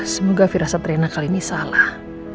semoga firasat rena kali ini salah